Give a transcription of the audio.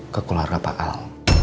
kekularan pak al